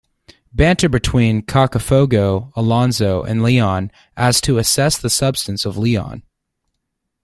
Banter between Cacafogo, Alonzo and Leon as to assess the substance of Leon.